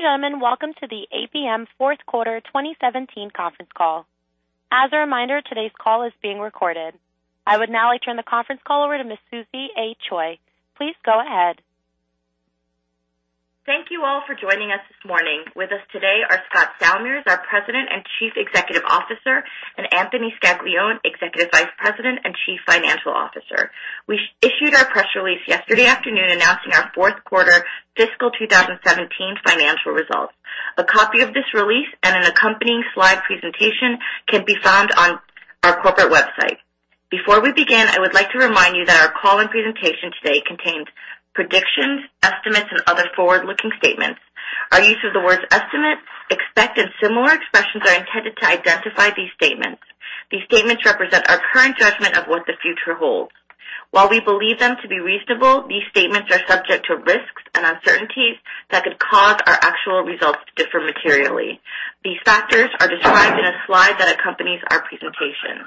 Ladies and gentlemen, welcome to the ABM fourth quarter 2017 conference call. As a reminder, today's call is being recorded. I would now like to turn the conference call over to Ms. Susie A. Choi. Please go ahead. Thank you all for joining us this morning. With us today are Scott Salmirs, our President and Chief Executive Officer, and Anthony Scaglione, Executive Vice President and Chief Financial Officer. We issued our press release yesterday afternoon announcing our fourth quarter fiscal 2017 financial results. A copy of this release and an accompanying slide presentation can be found on our corporate website. Before we begin, I would like to remind you that our call and presentation today contains predictions, estimates, and other forward-looking statements. Our use of the words estimate, expect, and similar expressions are intended to identify these statements. These statements represent our current judgment of what the future holds. While we believe them to be reasonable, these statements are subject to risks and uncertainties that could cause our actual results to differ materially. These factors are described in a slide that accompanies our presentation.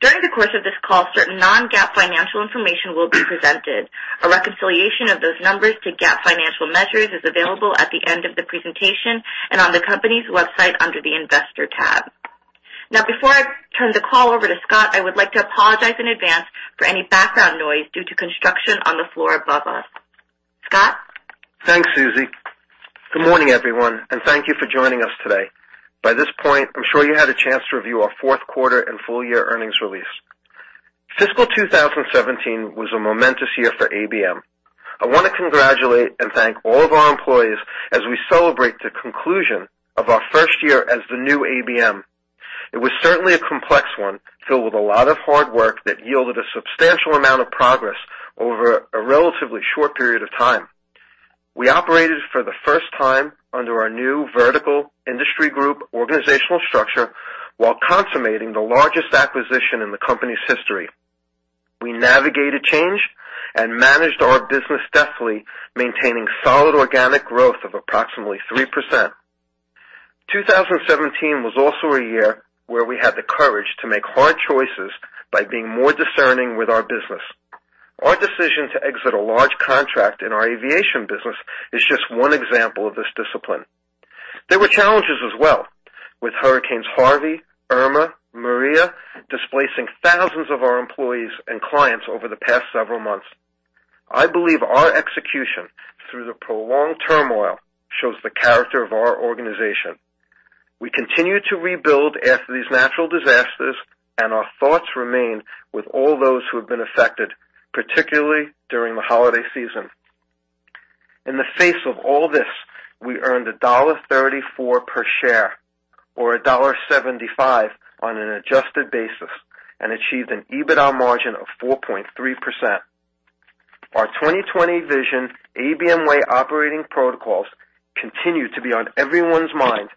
During the course of this call, certain non-GAAP financial information will be presented. A reconciliation of those numbers to GAAP financial measures is available at the end of the presentation and on the company's website under the investor tab. Now, before I turn the call over to Scott, I would like to apologize in advance for any background noise due to construction on the floor above us. Scott? Thanks, Susie. Good morning, everyone, and thank you for joining us today. By this point, I'm sure you had a chance to review our fourth quarter and full-year earnings release. Fiscal 2017 was a momentous year for ABM. I want to congratulate and thank all of our employees as we celebrate the conclusion of our first year as the new ABM. It was certainly a complex one, filled with a lot of hard work that yielded a substantial amount of progress over a relatively short period of time. We operated for the first time under our new vertical industry group organizational structure while consummating the largest acquisition in the company's history. We navigated change and managed our business deftly, maintaining solid organic growth of approximately 3%. 2017 was also a year where we had the courage to make hard choices by being more discerning with our business. Our decision to exit a large contract in our aviation business is just one example of this discipline. There were challenges as well, with Hurricanes Harvey, Irma, Maria, displacing thousands of our employees and clients over the past several months. I believe our execution through the prolonged turmoil shows the character of our organization. We continue to rebuild after these natural disasters, and our thoughts remain with all those who have been affected, particularly during the holiday season. In the face of all this, we earned $1.34 per share, or $1.75 on an adjusted basis, and achieved an EBITDA margin of 4.3%. Our 2020 Vision ABM Way operating protocols continue to be on everyone's mind,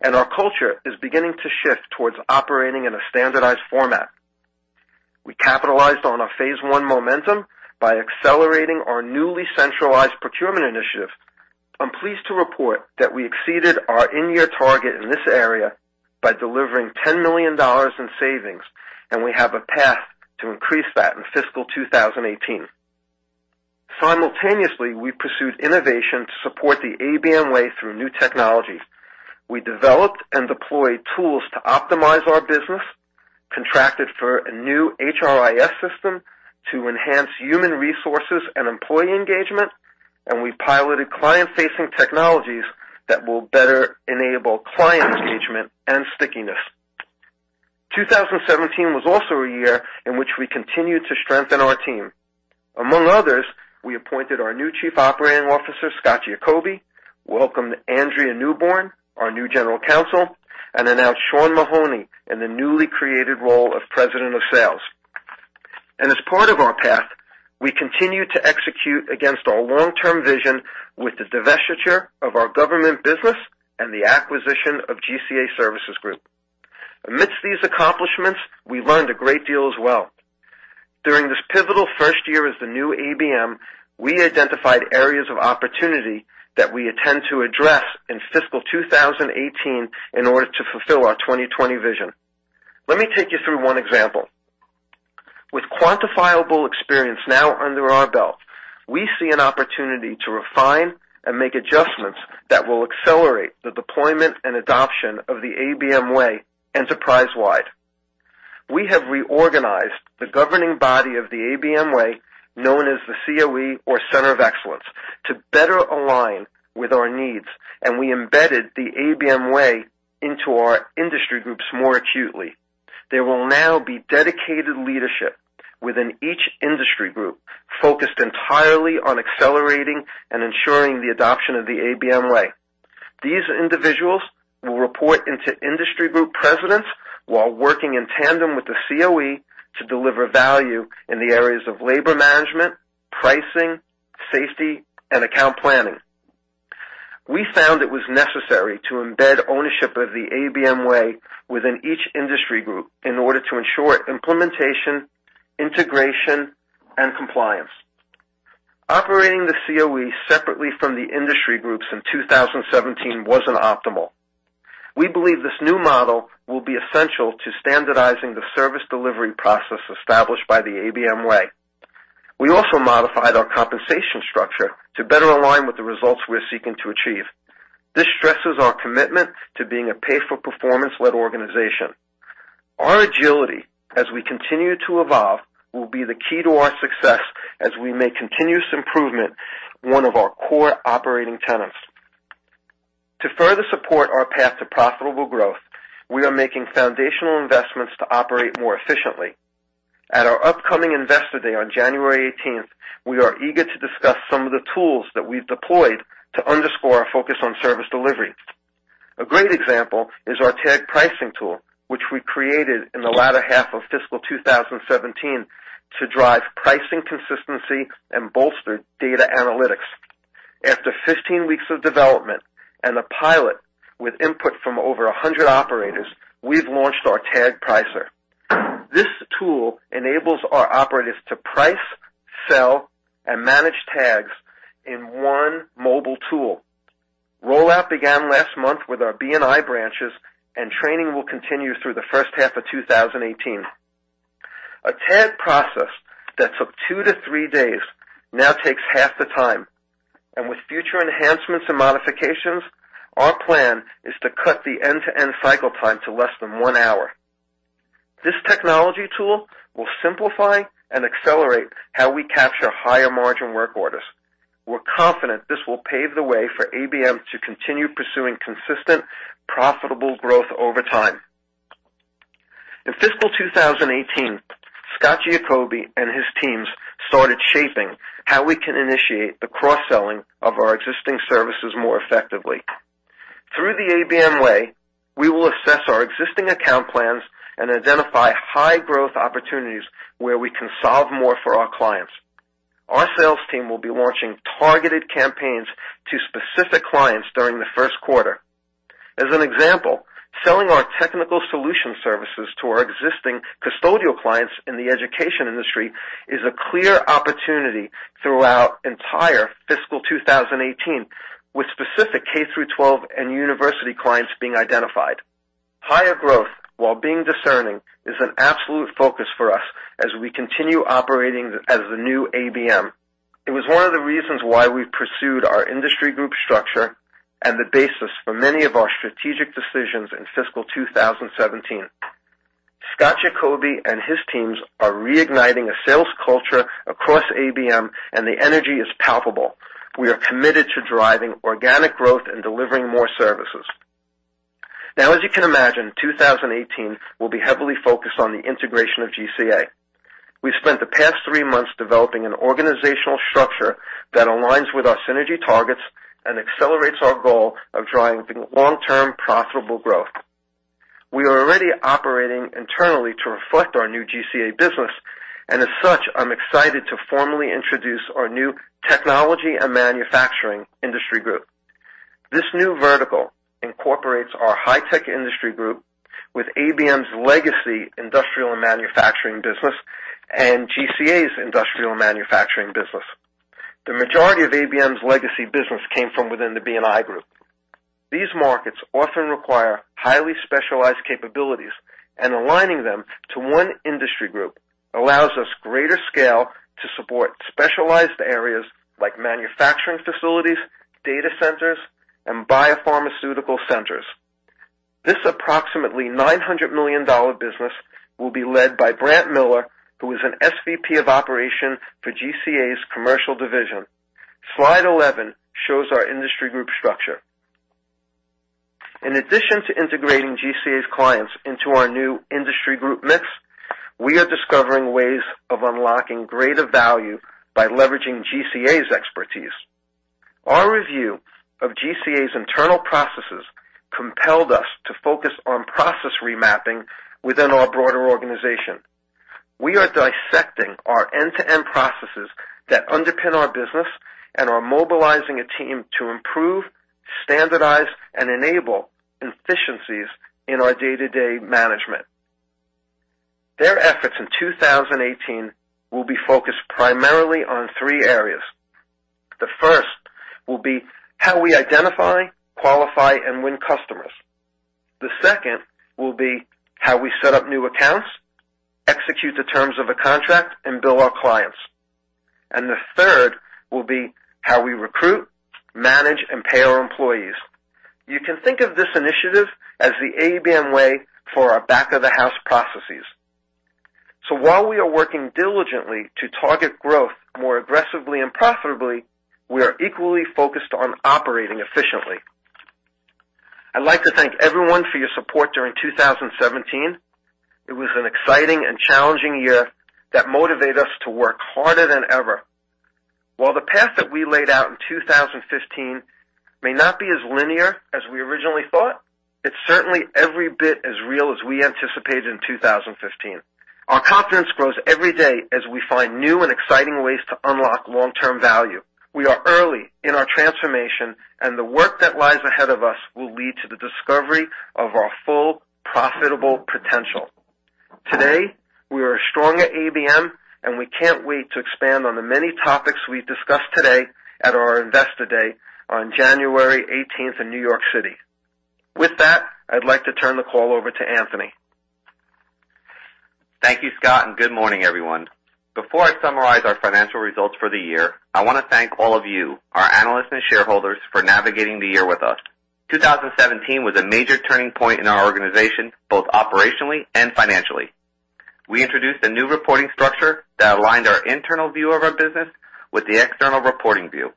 and our culture is beginning to shift towards operating in a standardized format. We capitalized on our phase one momentum by accelerating our newly centralized procurement initiative. I'm pleased to report that we exceeded our in-year target in this area by delivering $10 million in savings, and we have a path to increase that in fiscal 2018. Simultaneously, we pursued innovation to support the ABM Way through new technologies. We developed and deployed tools to optimize our business, contracted for a new HRIS system to enhance human resources and employee engagement, and we piloted client-facing technologies that will better enable client engagement and stickiness. 2017 was also a year in which we continued to strengthen our team. Among others, we appointed our new Chief Operating Officer, Scott Giacobbe, welcomed Andrea Newborn, our new General Counsel, and announced Sean Mahoney in the newly created role of President of Sales. As part of our path, we continue to execute against our long-term vision with the divestiture of our government business and the acquisition of GCA Services Group. Amidst these accomplishments, we learned a great deal as well. During this pivotal first year as the new ABM, we identified areas of opportunity that we intend to address in fiscal 2018 in order to fulfill our 2020 Vision. Let me take you through one example. With quantifiable experience now under our belt, we see an opportunity to refine and make adjustments that will accelerate the deployment and adoption of the ABM Way enterprise-wide. We have reorganized the governing body of the ABM Way, known as the CoE, or Center of Excellence, to better align with our needs, and we embedded the ABM Way into our industry groups more acutely. There will now be dedicated leadership within each industry group focused entirely on accelerating and ensuring the adoption of the ABM Way. These individuals will report into industry group presidents while working in tandem with the CoE to deliver value in the areas of labor management, pricing, safety, and account planning. We found it was necessary to embed ownership of the ABM Way within each industry group in order to ensure implementation, integration, and compliance. Operating the CoE separately from the industry groups in 2017 wasn't optimal. We believe this new model will be essential to standardizing the service delivery process established by the ABM Way. We also modified our compensation structure to better align with the results we're seeking to achieve. This stresses our commitment to being a pay-for-performance-led organization. Our agility, as we continue to evolve, will be the key to our success as we make continuous improvement one of our core operating tenets. To further support our path to profitable growth, we are making foundational investments to operate more efficiently. At our upcoming Investor Day on January 18th, we are eager to discuss some of the tools that we've deployed to underscore our focus on service delivery. A great example is our Tag Pricer tool, which we created in the latter half of fiscal 2017 to drive pricing consistency and bolster data analytics. After 15 weeks of development and a pilot with input from over 100 operators, we've launched our Tag Pricer. This tool enables our operatives to price, sell, and manage tags in one mobile tool. Rollout began last month with our B&I branches, and training will continue through the first half of 2018. A tag process that took two to three days now takes half the time. With future enhancements and modifications, our plan is to cut the end-to-end cycle time to less than one hour. This technology tool will simplify and accelerate how we capture higher-margin work orders. We're confident this will pave the way for ABM to continue pursuing consistent, profitable growth over time. In fiscal 2018, Scott Giacobbe and his teams started shaping how we can initiate the cross-selling of our existing services more effectively. Through the ABM Way, we will assess our existing account plans and identify high-growth opportunities where we can solve more for our clients. Our sales team will be launching targeted campaigns to specific clients during the first quarter. As an example, selling our technical solution services to our existing custodial clients in the education industry is a clear opportunity throughout entire fiscal 2018, with specific K through 12 and university clients being identified. Higher growth while being discerning is an absolute focus for us as we continue operating as the new ABM. It was one of the reasons why we pursued our industry group structure and the basis for many of our strategic decisions in fiscal 2017. Scott Giacobbe and his teams are reigniting a sales culture across ABM, and the energy is palpable. We are committed to driving organic growth and delivering more services. As you can imagine, 2018 will be heavily focused on the integration of GCA. We spent the past three months developing an organizational structure that aligns with our synergy targets and accelerates our goal of driving long-term profitable growth. We are already operating internally to reflect our new GCA business, and as such, I'm excited to formally introduce our new Technology & Manufacturing industry group. This new vertical incorporates our high-tech industry group with ABM's legacy industrial and manufacturing business and GCA's industrial manufacturing business. The majority of ABM's legacy business came from within the B&I group. These markets often require highly specialized capabilities, and aligning them to one industry group allows us greater scale to support specialized areas like manufacturing facilities, data centers, and biopharmaceutical centers. This approximately $900 million business will be led by Brant Miller, who is an SVP of operation for GCA's commercial division. Slide 11 shows our industry group structure. In addition to integrating GCA's clients into our new industry group mix, we are discovering ways of unlocking greater value by leveraging GCA's expertise. Our review of GCA's internal processes compelled us to focus on process remapping within our broader organization. We are dissecting our end-to-end processes that underpin our business and are mobilizing a team to improve, standardize, and enable efficiencies in our day-to-day management. Their efforts in 2018 will be focused primarily on three areas. The first will be how we identify, qualify, and win customers. The second will be how we set up new accounts, execute the terms of a contract, and bill our clients. The third will be how we recruit, manage, and pay our employees. You can think of this initiative as the ABM Way for our back-of-the-house processes. While we are working diligently to target growth more aggressively and profitably, we are equally focused on operating efficiently. I'd like to thank everyone for your support during 2017. It was an exciting and challenging year that motivate us to work harder than ever. While the path that we laid out in 2015 may not be as linear as we originally thought, it's certainly every bit as real as we anticipated in 2015. Our confidence grows every day as we find new and exciting ways to unlock long-term value. We are early in our transformation, the work that lies ahead of us will lead to the discovery of our full profitable potential. Today, we are strong at ABM, we can't wait to expand on the many topics we've discussed today at our Investor Day on January 18th in New York City. With that, I'd like to turn the call over to Anthony. Thank you, Scott, good morning, everyone. Before I summarize our financial results for the year, I want to thank all of you, our analysts and shareholders, for navigating the year with us. 2017 was a major turning point in our organization, both operationally and financially. We introduced a new reporting structure that aligned our internal view of our business with the external reporting view.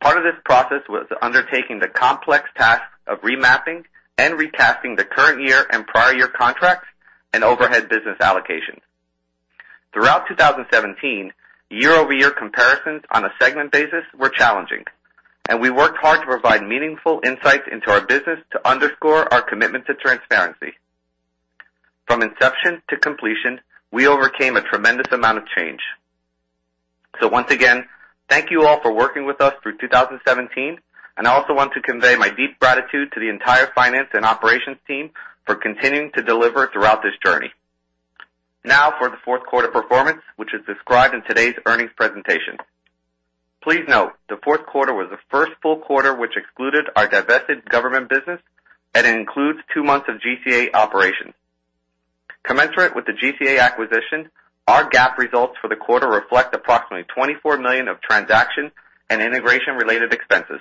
Part of this process was undertaking the complex task of remapping and recasting the current year and prior year contracts and overhead business allocations. Throughout 2017, year-over-year comparisons on a segment basis were challenging, we worked hard to provide meaningful insights into our business to underscore our commitment to transparency. From inception to completion, we overcame a tremendous amount of change. Once again, thank you all for working with us through 2017, I also want to convey my deep gratitude to the entire finance and operations team for continuing to deliver throughout this journey. Now for the fourth quarter performance, which is described in today's earnings presentation. Please note, the fourth quarter was the first full quarter which excluded our divested government business and includes two months of GCA operations. Commensurate with the GCA acquisition, our GAAP results for the quarter reflect approximately $24 million of transaction and integration related expenses.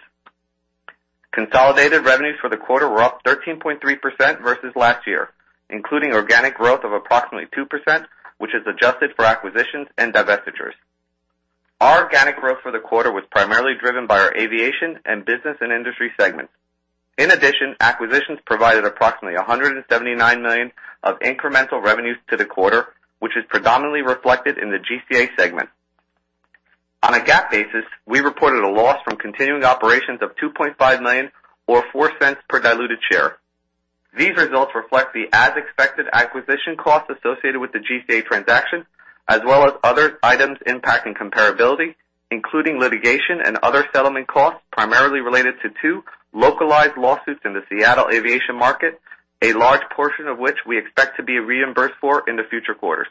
Consolidated revenues for the quarter were up 13.3% versus last year, including organic growth of approximately 2%, which is adjusted for acquisitions and divestitures. Our organic growth for the quarter was primarily driven by our aviation and business and industry segments. In addition, acquisitions provided approximately $179 million of incremental revenues to the quarter, which is predominantly reflected in the GCA segment. On a GAAP basis, we reported a loss from continuing operations of $2.5 million or $0.04 per diluted share. These results reflect the as-expected acquisition cost associated with the GCA transaction, as well as other items impacting comparability, including litigation and other settlement costs, primarily related to two localized lawsuits in the Seattle aviation market, a large portion of which we expect to be reimbursed for in future quarters.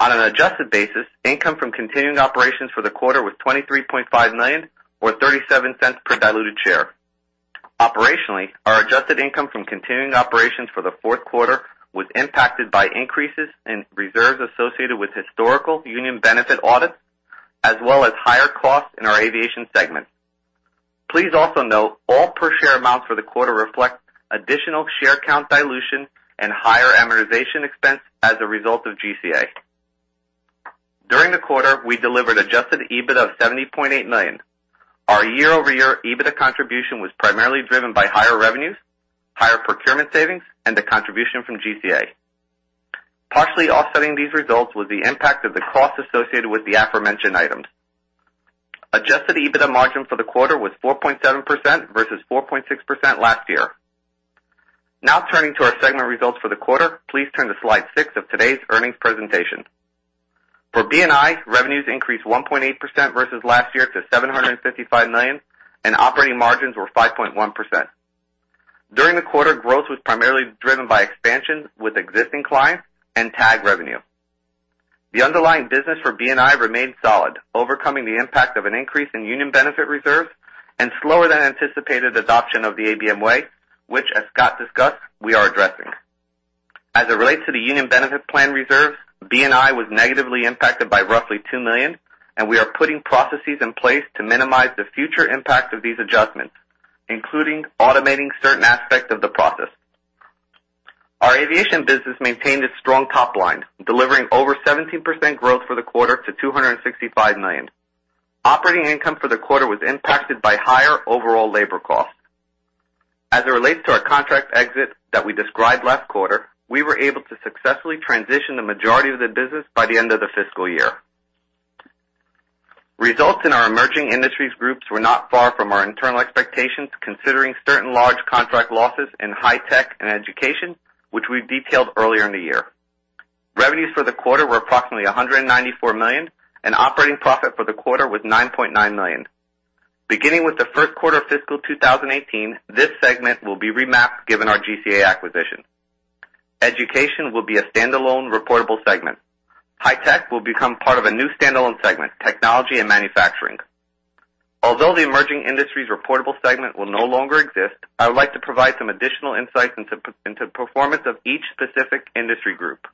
On an adjusted basis, income from continuing operations for the quarter was $23.5 million or $0.37 per diluted share. Operationally, our adjusted income from continuing operations for the fourth quarter was impacted by increases in reserves associated with historical union benefit audits, as well as higher costs in our aviation segment. Please also note all per share amounts for the quarter reflect additional share count dilution and higher amortization expense as a result of GCA. During the quarter, we delivered adjusted EBITDA of $70.8 million. Our year-over-year EBITDA contribution was primarily driven by higher revenues, higher procurement savings, and the contribution from GCA. Partially offsetting these results was the impact of the cost associated with the aforementioned items. Adjusted EBITDA margin for the quarter was 4.7% versus 4.6% last year. Now turning to our segment results for the quarter, please turn to slide six of today's earnings presentation. For B&I, revenues increased 1.8% versus last year to $755 million, and operating margins were 5.1%. During the quarter, growth was primarily driven by expansions with existing clients and Tag revenue. The underlying business for B&I remained solid, overcoming the impact of an increase in union benefit reserves and slower than anticipated adoption of the ABM Way, which, as Scott discussed, we are addressing. As it relates to the union benefit plan reserves, B&I was negatively impacted by roughly $2 million, and we are putting processes in place to minimize the future impact of these adjustments, including automating certain aspects of the process. Our aviation business maintained its strong top line, delivering over 17% growth for the quarter to $265 million. Operating income for the quarter was impacted by higher overall labor costs. As it relates to our contract exit that we described last quarter, we were able to successfully transition the majority of the business by the end of the fiscal year. Results in our emerging industries groups were not far from our internal expectations, considering certain large contract losses in High Tech and Education, which we've detailed earlier in the year. Revenues for the quarter were approximately $194 million, and operating profit for the quarter was $9.9 million. Beginning with the first quarter of FY 2018, this segment will be remapped given our GCA acquisition. Education will be a stand-alone reportable segment. High Tech will become part of a new stand-alone segment, Technology & Manufacturing. Although the emerging industries reportable segment will no longer exist, I would like to provide some additional insights into performance of each specific industry group.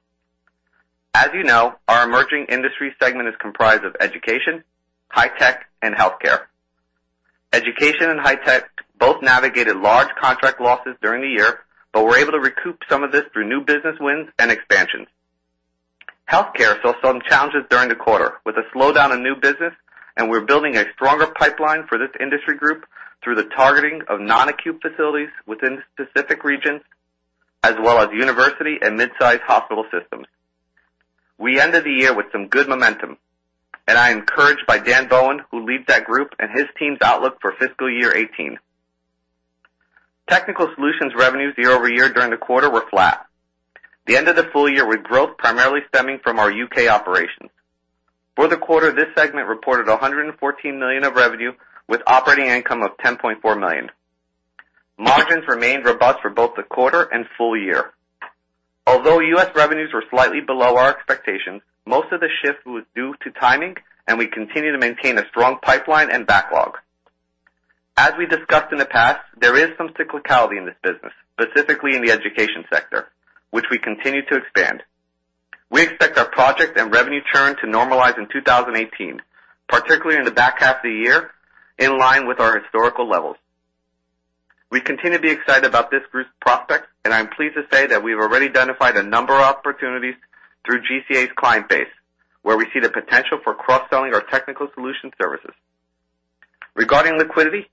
As you know, our emerging industry segment is comprised of Education, High Tech, and Healthcare. Education and High Tech both navigated large contract losses during the year, but were able to recoup some of this through new business wins and expansions. Healthcare saw some challenges during the quarter with a slowdown in new business. We are building a stronger pipeline for this industry group through the targeting of non-acute facilities within specific regions, as well as university and mid-size hospital systems. We ended the year with some good momentum. I am encouraged by Dan Bowen, who leads that group and his team's outlook for fiscal year 2018. Technical solutions revenues year-over-year during the quarter were flat. We ended the full year with growth primarily stemming from our U.K. operations. For the quarter, this segment reported $114 million of revenue with operating income of $10.4 million. Margins remained robust for both the quarter and full year. Although U.S. revenues were slightly below our expectations, most of the shift was due to timing. We continue to maintain a strong pipeline and backlog. As we discussed in the past, there is some cyclicality in this business, specifically in the education sector, which we continue to expand. We expect our project and revenue churn to normalize in 2018, particularly in the back half of the year, in line with our historical levels. We continue to be excited about this group's prospects. I am pleased to say that we have already identified a number of opportunities through GCA's client base, where we see the potential for cross-selling our technical solution services. Regarding liquidity,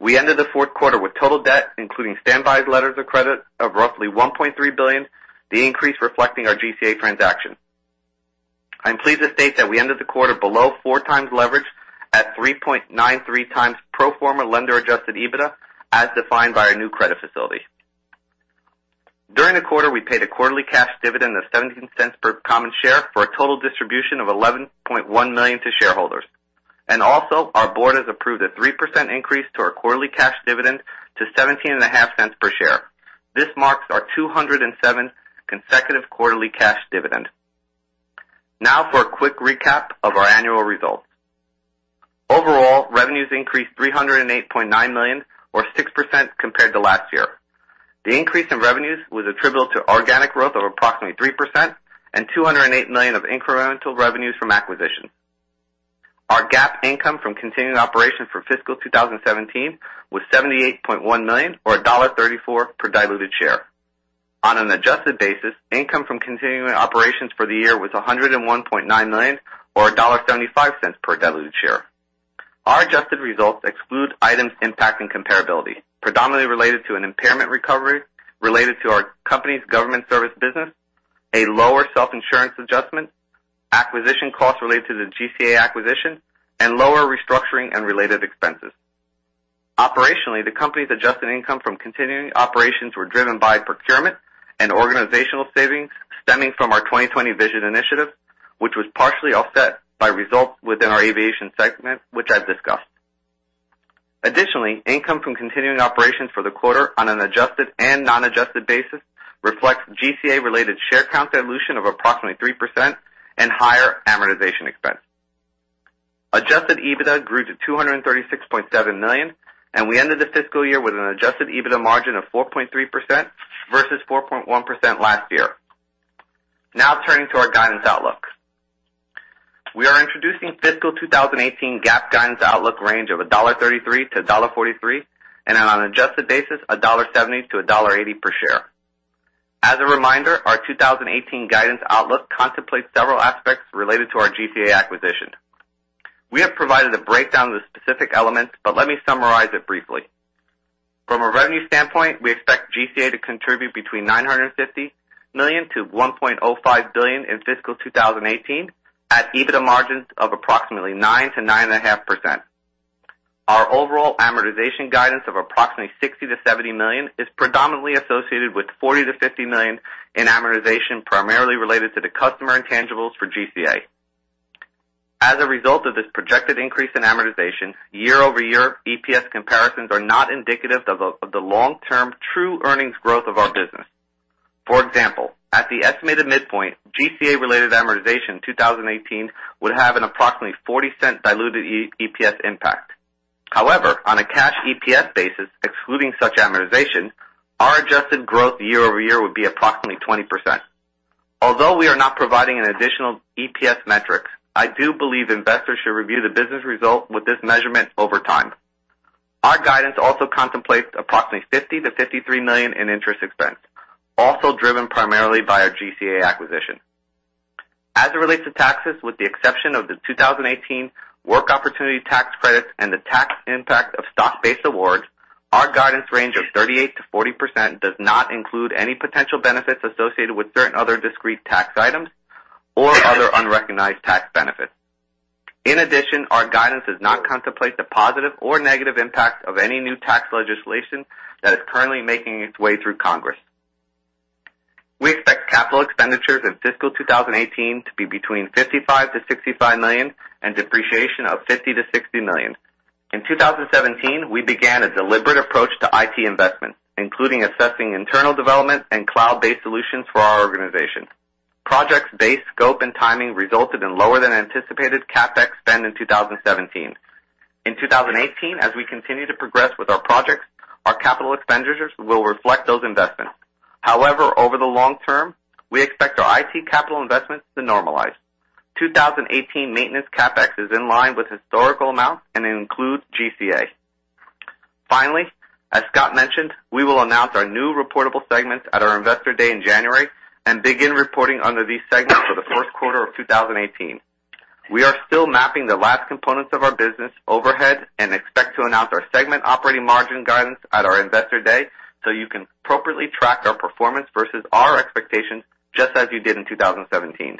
we ended the fourth quarter with total debt, including standby letters of credit, of roughly $1.3 billion, the increase reflecting our GCA transaction. I am pleased to state that we ended the quarter below 4x leverage at 3.93x pro forma lender-adjusted EBITDA, as defined by our new credit facility. During the quarter, we paid a quarterly cash dividend of $0.17 per common share for a total distribution of $11.1 million to shareholders. Also, our board has approved a 3% increase to our quarterly cash dividend to $0.175 per share. This marks our 207th consecutive quarterly cash dividend. Now for a quick recap of our annual results. Overall, revenues increased $308.9 million or 6% compared to last year. The increase in revenues was attributable to organic growth of approximately 3% and $208 million of incremental revenues from acquisitions. Our GAAP income from continuing operations for fiscal 2017 was $78.1 million or $1.34 per diluted share. On an adjusted basis, income from continuing operations for the year was $101.9 million or $1.75 per diluted share. Our adjusted results exclude items impacting comparability, predominantly related to an impairment recovery related to our company's government service business, a lower self-insurance adjustment, acquisition costs related to the GCA acquisition, and lower restructuring and related expenses. Operationally, the company's adjusted income from continuing operations were driven by procurement and organizational savings stemming from our 2020 Vision initiative, which was partially offset by results within our aviation segment, which I have discussed. Additionally, income from continuing operations for the quarter on an adjusted and non-adjusted basis reflects GCA-related share count dilution of approximately 3% and higher amortization expense. Adjusted EBITDA grew to $236.7 million. We ended the fiscal year with an adjusted EBITDA margin of 4.3% versus 4.1% last year. Now turning to our guidance outlook. We are introducing fiscal 2018 GAAP guidance outlook range of $1.33-$1.43, and on an adjusted basis, $1.70-$1.80 per share. As a reminder, our 2018 guidance outlook contemplates several aspects related to our GCA acquisition. We have provided a breakdown of the specific elements, but let me summarize it briefly. From a revenue standpoint, we expect GCA to contribute between $950 million-$1.05 billion in fiscal 2018 at EBITDA margins of approximately 9%-9.5%. Our overall amortization guidance of approximately $60 million-$70 million is predominantly associated with $40 million-$50 million in amortization primarily related to the customer intangibles for GCA. As a result of this projected increase in amortization, year-over-year EPS comparisons are not indicative of the long-term true earnings growth of our business. For example, at the estimated midpoint, GCA-related amortization in 2018 would have an approximately $0.40 diluted EPS impact. However, on a Cash EPS basis, excluding such amortization, our adjusted growth year-over-year would be approximately 20%. Although we are not providing an additional EPS metric, I do believe investors should review the business results with this measurement over time. Our guidance also contemplates approximately $50 million-$53 million in interest expense, also driven primarily by our GCA acquisition. As it relates to taxes, with the exception of the 2018 Work Opportunity Tax Credits and the tax impact of stock-based awards, our guidance range of 38%-40% does not include any potential benefits associated with certain other discrete tax items or other unrecognized tax benefits. In addition, our guidance does not contemplate the positive or negative impact of any new tax legislation that is currently making its way through Congress. We expect capital expenditures in fiscal 2018 to be between $55 million-$65 million and depreciation of $50 million-$60 million. In 2017, we began a deliberate approach to IT investments, including assessing internal development and cloud-based solutions for our organization. Projects' base scope and timing resulted in lower than anticipated CapEx spend in 2017. In 2018, as we continue to progress with our projects, our capital expenditures will reflect those investments. However, over the long term, we expect our IT capital investments to normalize. 2018 maintenance CapEx is in line with historical amounts and includes GCA. Finally, as Scott mentioned, we will announce our new reportable segments at our Investor Day in January and begin reporting under these segments for the first quarter of 2018. We are still mapping the last components of our business overhead and expect to announce our segment operating margin guidance at our Investor Day so you can appropriately track our performance versus our expectations, just as you did in 2017.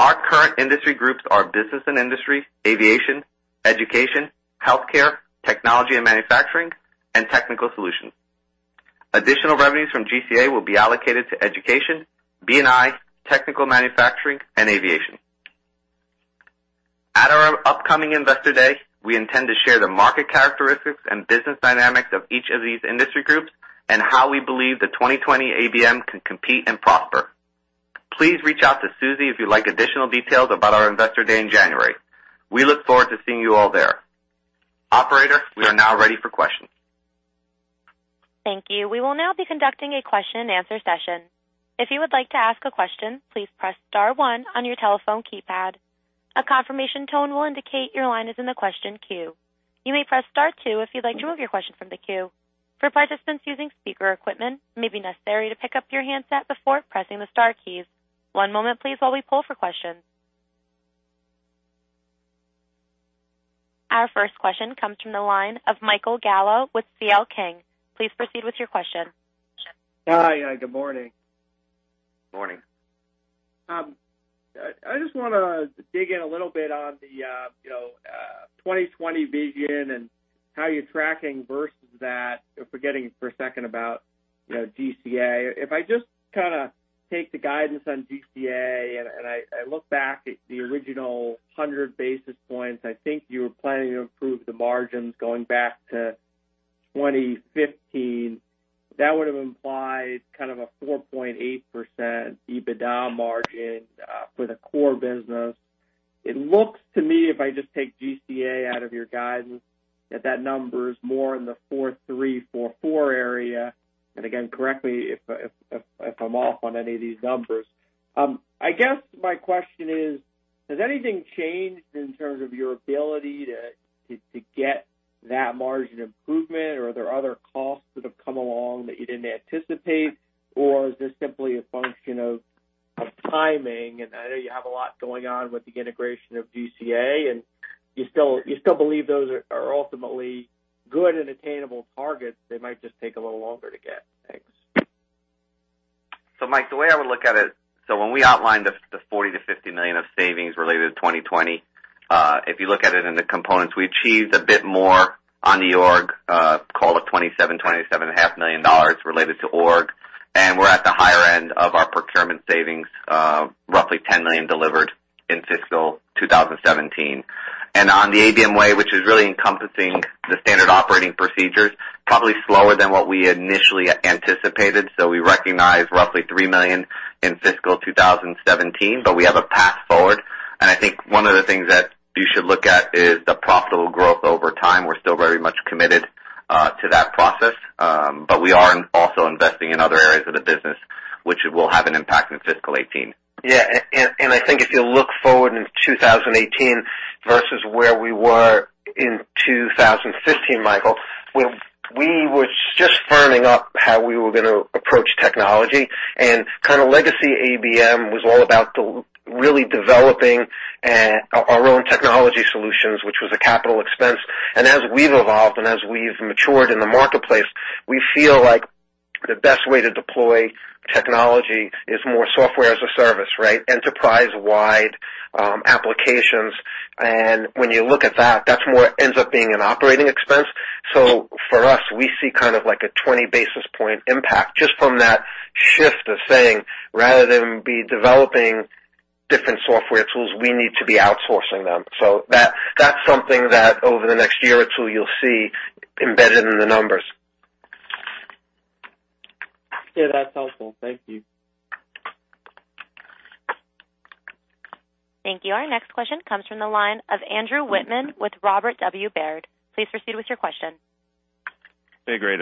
Our current industry groups are business and industry, aviation, education, healthcare, Technology & Manufacturing, and technical solutions. Additional revenues from GCA will be allocated to education, B&I, Technology & Manufacturing, and aviation. At our upcoming Investor Day, we intend to share the market characteristics and business dynamics of each of these industry groups, and how we believe the 2020 ABM can compete and prosper. Please reach out to Susie if you'd like additional details about our Investor Day in January. We look forward to seeing you all there. Operator, we are now ready for questions. Thank you. We will now be conducting a question-and-answer session. If you would like to ask a question, please press star one on your telephone keypad. A confirmation tone will indicate your line is in the question queue. You may press star two if you'd like to remove your question from the queue. For participants using speaker equipment, it may be necessary to pick up your handset before pressing the star keys. One moment please while we poll for questions. Our first question comes from the line of Michael Gallo with C.L. King. Please proceed with your question. Hi. Good morning. Morning. I just want to dig in a little bit on the 2020 Vision and how you're tracking versus that, forgetting for a second about GCA. If I just take the guidance on GCA, I look back at the original 100 basis points, I think you were planning to improve the margins going back to 2015. That would've implied kind of a 4.8% EBITDA margin for the core business. It looks to me, if I just take GCA out of your guidance, that that number is more in the 4.3%, 4.4% area. Again, correct me if I'm off on any of these numbers. I guess my question is, has anything changed in terms of your ability to get that margin improvement, or are there other costs that have come along that you didn't anticipate? Is this simply a function of timing? I know you have a lot going on with the integration of GCA, and you still believe those are ultimately good and attainable targets, they might just take a little longer to get. Thanks. Mike, the way I would look at it, when we outlined the $40 million-$50 million of savings related to 2020, if you look at it in the components, we achieved a bit more on the org, call it $27 million, $27.5 million related to org. We're at the higher end of our procurement savings, roughly $10 million delivered in fiscal 2017. On the ABM Way, which is really encompassing the standard operating procedures, probably slower than what we initially anticipated. We recognized roughly $3 million in fiscal 2017, but we have a path forward. I think one of the things that you should look at is the profitable growth over time. We're still very much committed to that process. We are also investing in other areas of the business, which will have an impact in fiscal 2018. I think if you look forward into 2018 versus where we were in 2015, Michael, we were just firming up how we were going to approach technology, and kind of legacy ABM was all about really developing our own technology solutions, which was a capital expense. As we've evolved and as we've matured in the marketplace, we feel like the best way to deploy technology is more software as a service, right? Enterprise-wide applications. When you look at that more ends up being an operating expense. For us, we see kind of like a 20 basis point impact just from that shift of saying, rather than be developing different software tools, we need to be outsourcing them. That's something that over the next year or two, you'll see embedded in the numbers. That's helpful. Thank you. Thank you. Our next question comes from the line of Andrew Wittmann with Robert W. Baird. Please proceed with your question. Yeah, great.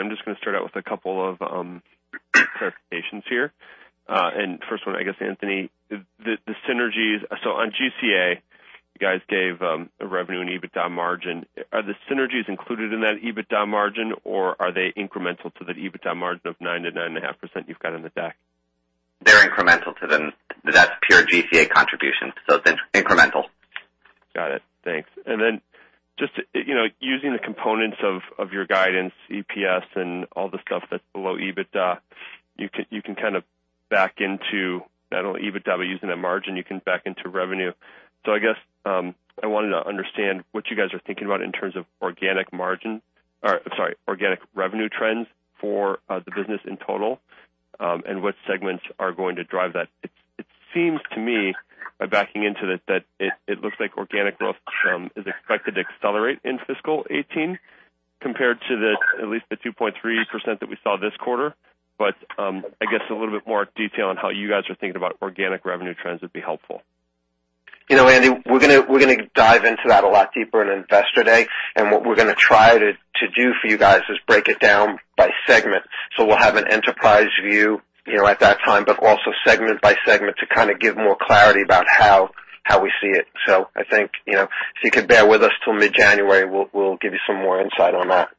First one, I guess, Anthony, the synergies. On GCA, you guys gave a revenue and EBITDA margin. Are the synergies included in that EBITDA margin, or are they incremental to the EBITDA margin of 9%-9.5% you've got on the deck? They're incremental to them. That's pure GCA contributions, so it's incremental. Got it. Thanks. Then just using the components of your guidance, EPS and all the stuff that's below EBITDA, you can kind of back into, not only EBITDA, but using that margin, you can back into revenue. I guess, I wanted to understand what you guys are thinking about in terms of organic revenue trends for the business in total. What segments are going to drive that. It seems to me, by backing into it, that it looks like organic growth is expected to accelerate in fiscal 2018 compared to at least the 2.3% that we saw this quarter. I guess a little bit more detail on how you guys are thinking about organic revenue trends would be helpful. You know, Andy, we're going to dive into that a lot deeper in Investor Day. What we're going to try to do for you guys is break it down by segment. We'll have an enterprise view at that time, but also segment by segment to kind of give more clarity about how we see it. I think if you could bear with us till mid-January, we'll give you some more insight on that.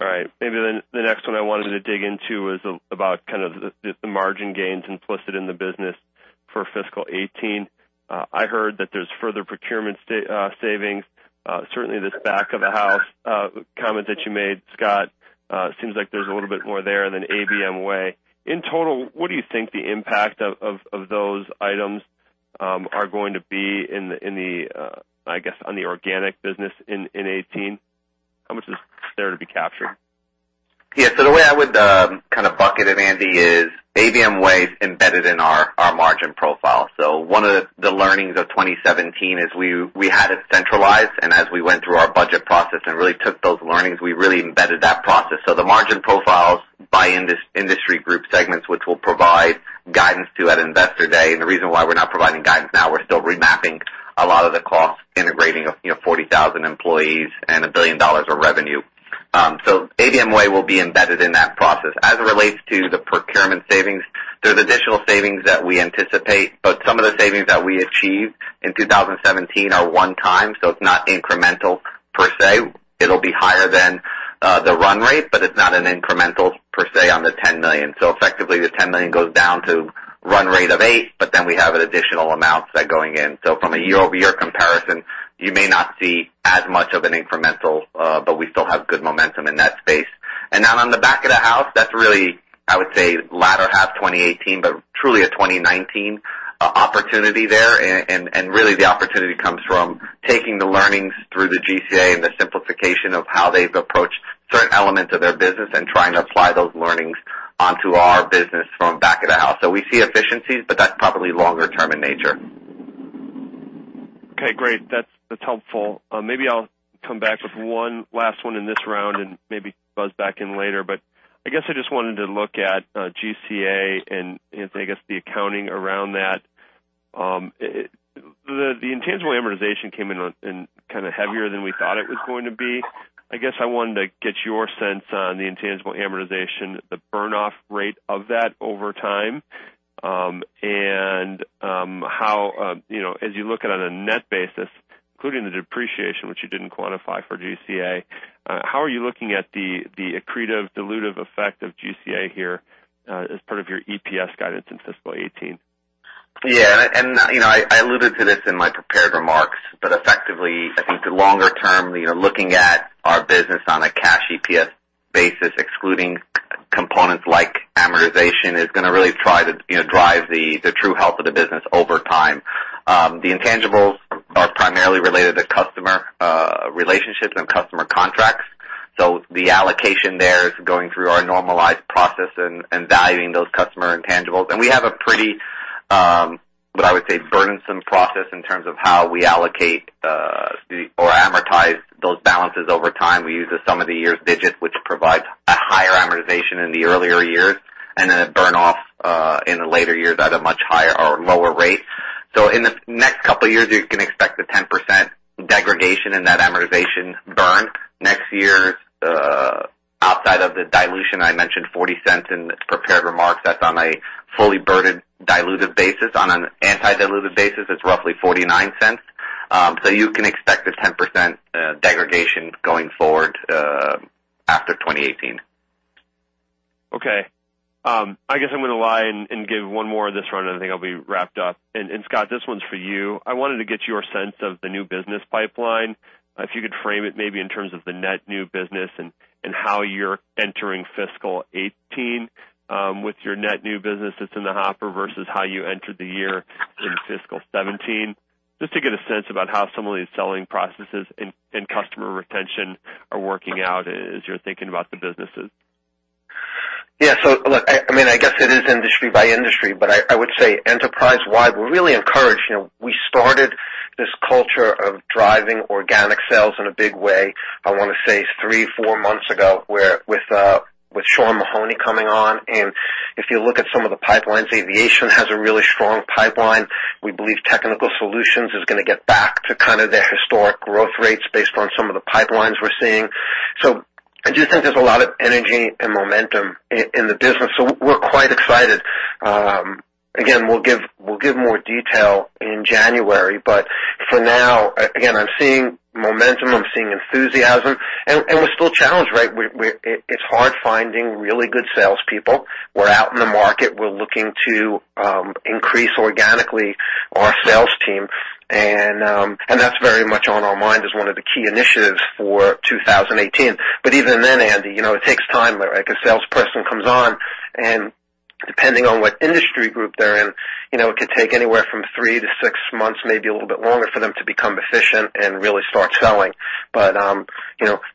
All right. Maybe the next one I wanted to dig into is about kind of the margin gains implicit in the business for fiscal 2018. I heard that there's further procurement savings. Certainly this back of the house comment that you made, Scott, seems like there's a little bit more there than ABM Way. In total, what do you think the impact of those items are going to be in the organic business in 2018? How much is there to be captured? Yeah. The way I would kind of bucket it, Andrew, is ABM Way is embedded in our margin profile. One of the learnings of 2017 is we had it centralized, and as we went through our budget process and really took those learnings, we really embedded that process. The margin profiles by industry group segments, which we'll provide guidance to at Investor Day. The reason why we're not providing guidance now, we're still remapping a lot of the costs, integrating 40,000 employees and $1 billion of revenue. ABM Way will be embedded in that process. As it relates to the procurement savings, there's additional savings that we anticipate, but some of the savings that we achieved in 2017 are one-time, so it's not incremental per se. It'll be higher than the run rate, but it's not an incremental per se on the $10 million. Effectively, the $10 million goes down to run rate of eight, we have an additional amount going in. From a year-over-year comparison, you may not see as much of an incremental, but we still have good momentum in that space. On the back of the house, that's really, I would say, latter half 2018, but truly a 2019 opportunity there. Really the opportunity comes from taking the learnings through the GCA and the simplification of how they've approached certain elements of their business and trying to apply those learnings onto our business from back of the house. We see efficiencies, but that's probably longer term in nature. Okay, great. That's helpful. Maybe I'll come back with one last one in this round and maybe buzz back in later, but I guess I just wanted to look at GCA and I guess the accounting around that. The intangible amortization came in kind of heavier than we thought it was going to be. I guess I wanted to get your sense on the intangible amortization, the burn off rate of that over time. As you look at it on a net basis, including the depreciation, which you didn't quantify for GCA, how are you looking at the accretive-dilutive effect of GCA here as part of your EPS guidance in fiscal 2018? I alluded to this in my prepared remarks, but effectively, I think the longer term, looking at our business on a cash EPS basis, excluding components like amortization, is going to really try to drive the true health of the business over time. The intangibles are primarily related to customer relationships and customer contracts. The allocation there is going through our normalized process and valuing those customer intangibles. We have a pretty, what I would say, burdensome process in terms of how we allocate or amortize those balances over time. We use a sum-of-the-years'-digits, which provides a higher amortization in the earlier years, and then a burn off in the later years at a much lower rate. In the next couple of years, you can expect a 10% degradation in that amortization burn. Next year, outside of the dilution, I mentioned $0.40 in prepared remarks. That's on a fully burden dilutive basis. On an anti-dilutive basis, it's roughly $0.49. You can expect a 10% degradation going forward after 2018. Okay. I guess I'm going to lie and give one more in this run, I think I'll be wrapped up. Scott, this one's for you. I wanted to get your sense of the new business pipeline, if you could frame it maybe in terms of the net new business and how you're entering fiscal 2018 with your net new business that's in the hopper, versus how you entered the year in fiscal 2017. Just to get a sense about how some of these selling processes and customer retention are working out as you're thinking about the businesses. Yeah. Look, I guess it is industry by industry, but I would say enterprise wide, we're really encouraged. We started this culture of driving organic sales in a big way, I want to say three, four months ago, with Sean Mahoney coming on. If you look at some of the pipelines, aviation has a really strong pipeline. We believe technical solutions is going to get back to kind of their historic growth rates based on some of the pipelines we're seeing. I do think there's a lot of energy and momentum in the business. We're quite excited. Again, we'll give more detail in January, but for now, again, I'm seeing momentum, I'm seeing enthusiasm, we're still challenged, right? It's hard finding really good salespeople. We're out in the market. We're looking to increase organically our sales team, and that's very much on our mind as one of the key initiatives for 2018. Even then, Andy, it takes time, right? A salesperson comes on, and depending on what industry group they're in, it could take anywhere from three to six months, maybe a little bit longer, for them to become efficient and really start selling.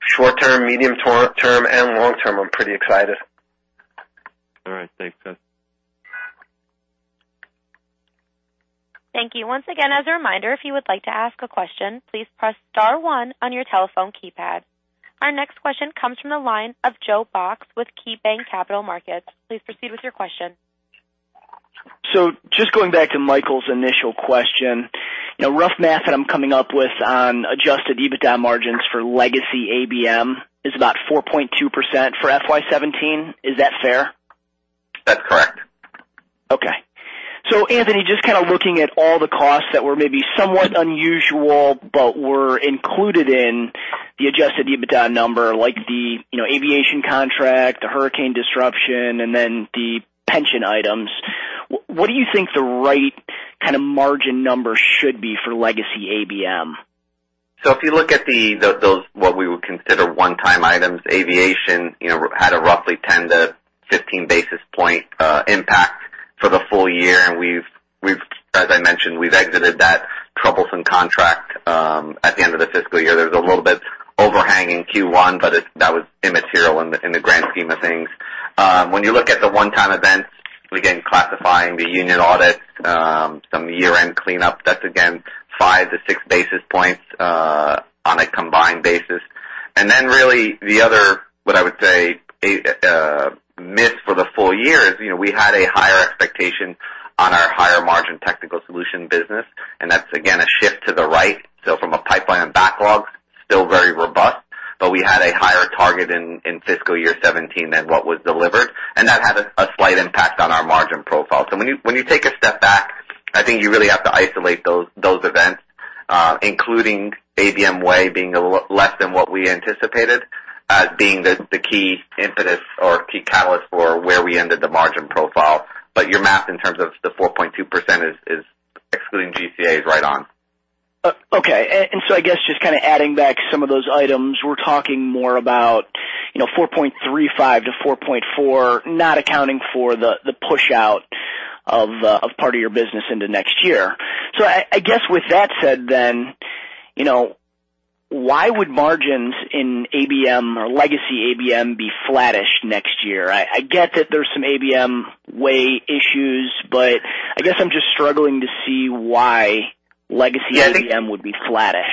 Short term, medium term, and long term, I'm pretty excited. All right. Thanks, Scott. Thank you. Once again, as a reminder, if you would like to ask a question, please press star one on your telephone keypad. Our next question comes from the line of Joe Box with KeyBanc Capital Markets. Please proceed with your question. Just going back to Michael's initial question. Rough math that I'm coming up with on adjusted EBITDA margins for legacy ABM is about 4.2% for FY 2017. Is that fair? That's correct. Okay. Anthony, just kind of looking at all the costs that were maybe somewhat unusual but were included in the adjusted EBITDA number, like the aviation contract, the hurricane disruption, and then the pension items. What do you think the right kind of margin number should be for legacy ABM? If you look at those, what we would consider one-time items, aviation had a roughly 10-15 basis point impact for the full year, and we've Exited that troublesome contract at the end of the fiscal year. There's a little bit overhang in Q1, but that was immaterial in the grand scheme of things. When you look at the one-time events, again, classifying the union audit, some year-end cleanup, that's again, 5-6 basis points on a combined basis. Really the other, what I would say, miss for the full year is we had a higher expectation on our higher margin technical solution business, and that's again, a shift to the right. From a pipeline backlog, still very robust, but we had a higher target in fiscal year 2017 than what was delivered, and that had a slight impact on our margin profile. When you take a step back, I think you really have to isolate those events, including ABM Way being less than what we anticipated as being the key impetus or key catalyst for where we ended the margin profile. Your math in terms of the 4.2% excluding GCA is right on. Okay. I guess just kind of adding back some of those items, we're talking more about 4.35%-4.4%, not accounting for the push out of part of your business into next year. I guess with that said then, why would margins in ABM or legacy ABM be flattish next year? I get that there's some ABM Way issues, I guess I'm just struggling to see why legacy ABM would be flattish.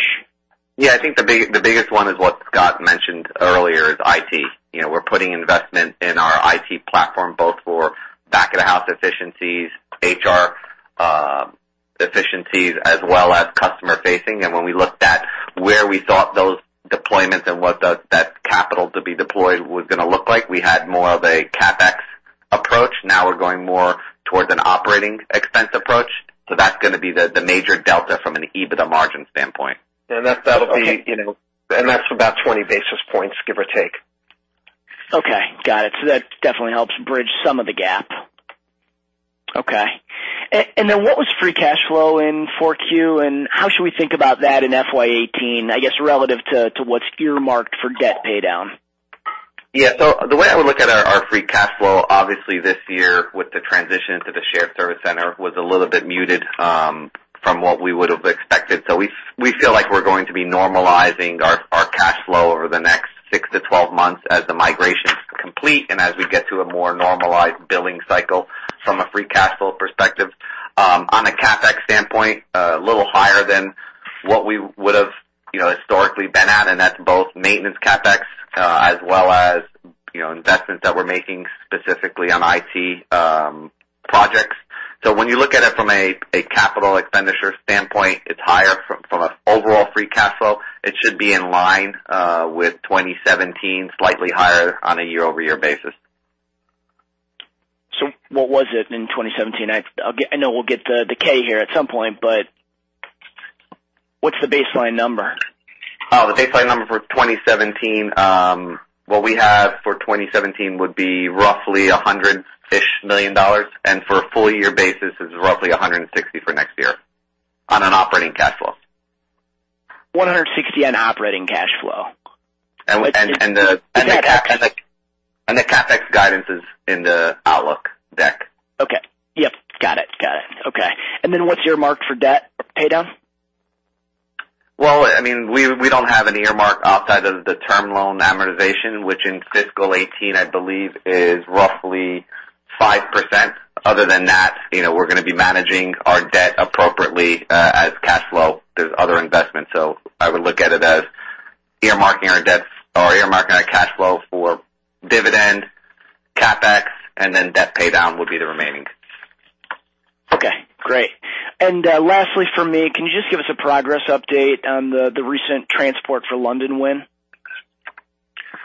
Yeah, I think the biggest one is what Scott mentioned earlier is IT. We're putting investment in our IT platform, both for back of the house efficiencies, HR efficiencies, as well as customer facing. When we looked at where we thought those deployments and what that capital to be deployed was going to look like, we had more of a CapEx approach. Now we're going more towards an operating expense approach. That's going to be the major delta from an EBITDA margin standpoint. That's about 20 basis points, give or take. Okay, got it. That definitely helps bridge some of the gap. Okay. What was free cash flow in 4Q, and how should we think about that in FY 2018, I guess, relative to what's earmarked for debt paydown? Yeah. The way I would look at our free cash flow, obviously this year with the transition to the shared service center was a little bit muted from what we would have expected. We feel like we're going to be normalizing our cash flow over the next six to 12 months as the migration is complete and as we get to a more normalized billing cycle from a free cash flow perspective. On a CapEx standpoint, a little higher than what we would have historically been at, and that's both maintenance CapEx as well as investments that we're making specifically on IT projects. When you look at it from a capital expenditure standpoint, it's higher from an overall free cash flow. It should be in line with 2017, slightly higher on a year-over-year basis. What was it in 2017? I know we'll get the K here at some point, what's the baseline number? The baseline number for 2017, what we have for 2017 would be roughly $100-ish million, and for a full year basis, is roughly $160 for next year on an operating cash flow. $160 on operating cash flow. The CapEx guidance is in the outlook deck. Okay. Yep, got it. Okay. Then what's your mark for debt paydown? Well, we don't have any earmark outside of the term loan amortization, which in fiscal 2018, I believe, is roughly 5%. Other than that, we're going to be managing our debt appropriately as cash flow. There's other investments. I would look at it as earmarking our cash flow for dividend, CapEx, then debt paydown would be the remaining. Okay, great. Lastly from me, can you just give us a progress update on the recent Transport for London win?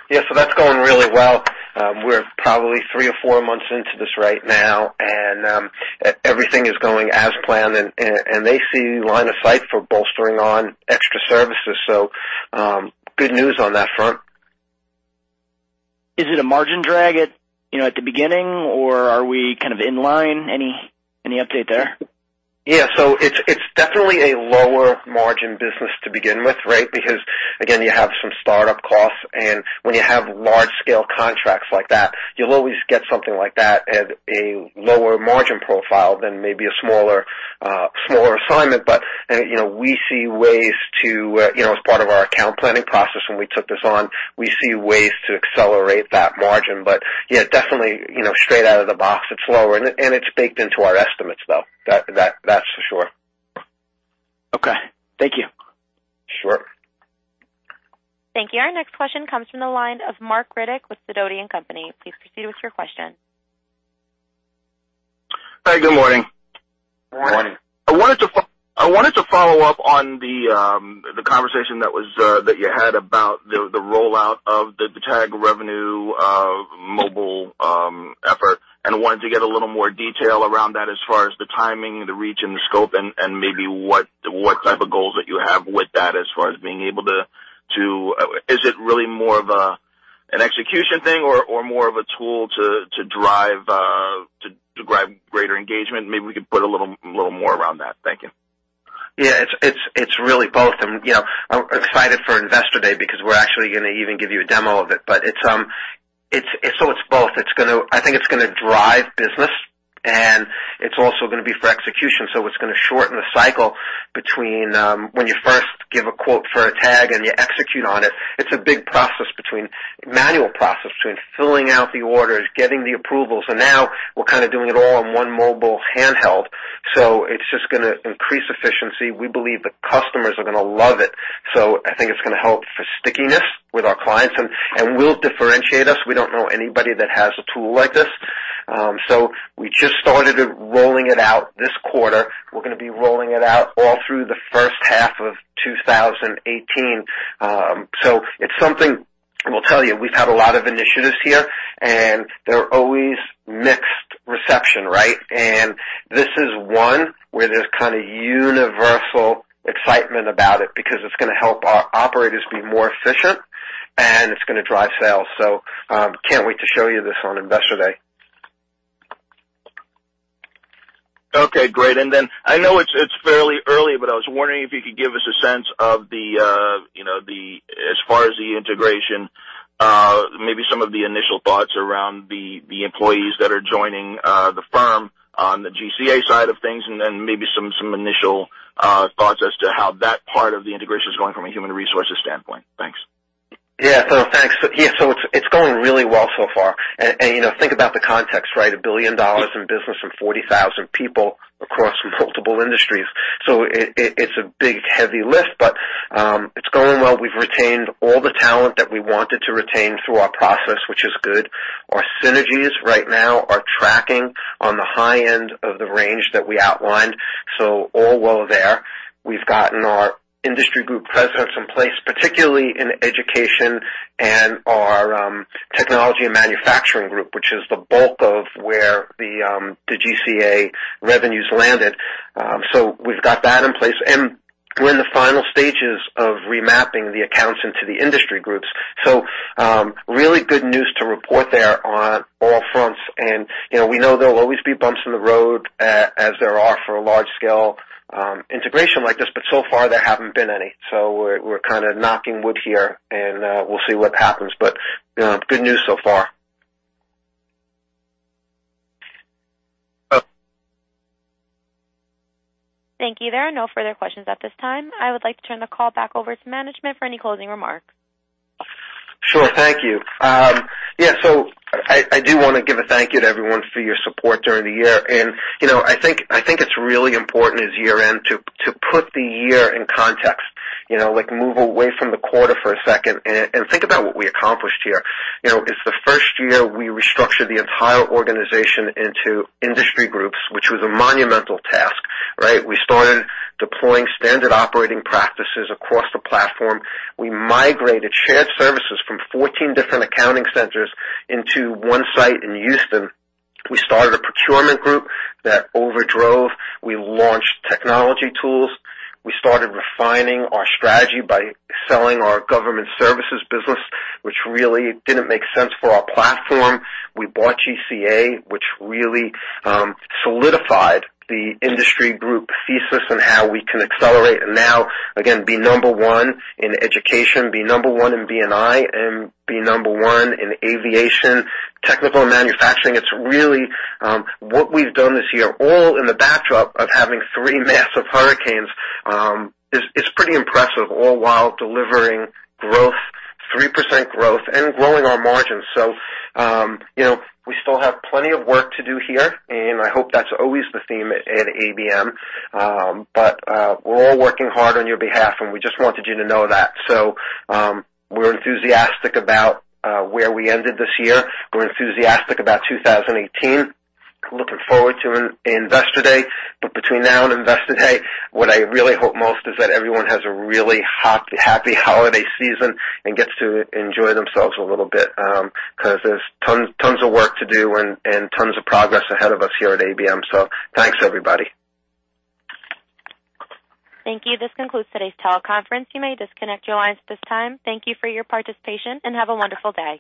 Yeah. That's going really well. We're probably three or four months into this right now, and everything is going as planned, and they see line of sight for bolstering on extra services. Good news on that front. Is it a margin drag at the beginning, or are we kind of in line? Any update there? Yeah. It's definitely a lower margin business to begin with, right? Because, again, you have some startup costs, and when you have large scale contracts like that, you'll always get something like that at a lower margin profile than maybe a smaller assignment. We see ways to, as part of our account planning process when we took this on, we see ways to accelerate that margin. Yeah, definitely, straight out of the box, it's lower, and it's baked into our estimates, though. That's for sure. Okay. Thank you. Sure. Thank you. Our next question comes from the line of Marc Riddick with Sidoti & Company. Please proceed with your question. Hi, good morning. Morning. Morning. I wanted to follow up on the conversation that you had about the rollout of the Tag revenue mobile effort, and wanted to get a little more detail around that as far as the timing, the reach, and the scope, and maybe what type of goals that you have with that. Is it really more of an execution thing or more of a tool to drive greater engagement? Maybe we could put a little more around that. Thank you. Yeah, it's really both. I'm excited for Investor Day because we're actually going to even give you a demo of it. It's both. I think it's going to drive business, and it's also going to be for execution. It's going to shorten the cycle between when you first give a quote for a tag, and you execute on it. It's a big manual process between filling out the orders, getting the approvals, and now we're kind of doing it all on one mobile handheld. It's just going to increase efficiency. We believe the customers are going to love it. I think it's going to help for stickiness with our clients, and will differentiate us. We don't know anybody that has a tool like this. We just started rolling it out this quarter. We're going to be rolling it out all through the first half of 2018. It's something, I will tell you, we've had a lot of initiatives here, and they're always mixed reception, right? This is one where there's kind of universal excitement about it, because it's going to help our operators be more efficient, and it's going to drive sales. Can't wait to show you this on Investor Day. Okay, great. I know it's fairly early, but I was wondering if you could give us a sense of the, as far as the integration, maybe some of the initial thoughts around the employees that are joining the firm on the GCA side of things, and then maybe some initial thoughts as to how that part of the integration is going from a human resources standpoint. Thanks. Yeah. Thanks. It's going really well so far. Think about the context, right? $1 billion in business and 40,000 people across multiple industries. It's a big, heavy lift, but it's going well. We've retained all the talent that we wanted to retain through our process, which is good. Our synergies right now are tracking on the high end of the range that we outlined. All well there. We've gotten our industry group presidents in place, particularly in education and our Technology & Manufacturing group, which is the bulk of where the GCA revenues landed. We've got that in place. We're in the final stages of remapping the accounts into the industry groups. Really good news to report there on all fronts. We know there'll always be bumps in the road, as there are for a large-scale integration like this, so far there haven't been any. We're kind of knocking wood here, and we'll see what happens. Good news so far. Okay. Thank you. There are no further questions at this time. I would like to turn the call back over to management for any closing remarks. Sure. Thank you. I do want to give a thank you to everyone for your support during the year. I think it's really important as year-end to put the year in context. Like move away from the quarter for a second and think about what we accomplished here. It's the first year we restructured the entire organization into industry groups, which was a monumental task, right? We started deploying standard operating practices across the platform. We migrated shared services from 14 different accounting centers into one site in Houston. We started a procurement group that over drove. We launched technology tools. We started refining our strategy by selling our government services business, which really didn't make sense for our platform. We bought GCA, which really solidified the industry group thesis on how we can accelerate. Now, again, be number one in education, be number one in B&I, and be number one in aviation, technical, and manufacturing. What we've done this year, all in the backdrop of having three massive hurricanes, is pretty impressive. All while delivering 3% growth and growing our margins. We still have plenty of work to do here, and I hope that's always the theme at ABM. We're all working hard on your behalf, and we just wanted you to know that. We're enthusiastic about where we ended this year. We're enthusiastic about 2018. Looking forward to Investor Day. Between now and Investor Day, what I really hope most is that everyone has a really happy holiday season and gets to enjoy themselves a little bit. There's tons of work to do and tons of progress ahead of us here at ABM. Thanks, everybody. Thank you. This concludes today's teleconference. You may disconnect your lines at this time. Thank you for your participation, and have a wonderful day.